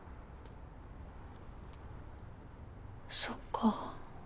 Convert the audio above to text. そっか。